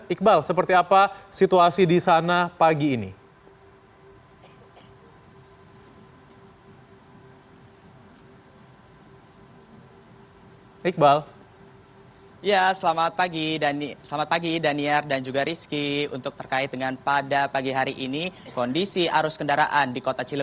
iqbal seperti apa situasi di sana pagi ini